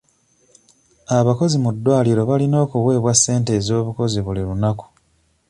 Abakozi mu ddwaliro balina okuweebwa ssente ez'obukozi buli lunaku.